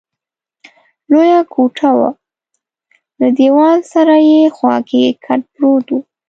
لویه کوټه وه، له دېوال سره په خوا کې کټ پروت وو.